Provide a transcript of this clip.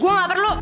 gue gak perlu